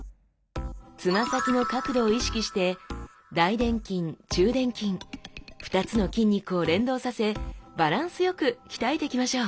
つま先の角度を意識して大臀筋中臀筋２つの筋肉を連動させバランスよく鍛えていきましょう！